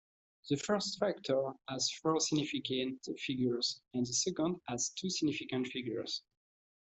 The first factor has four significant figures and the second has two significant figures.